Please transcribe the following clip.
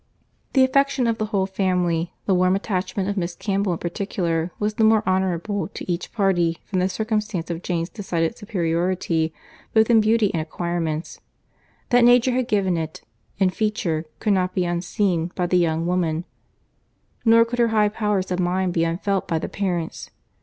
The affection of the whole family, the warm attachment of Miss Campbell in particular, was the more honourable to each party from the circumstance of Jane's decided superiority both in beauty and acquirements. That nature had given it in feature could not be unseen by the young woman, nor could her higher powers of mind be unfelt by the parents.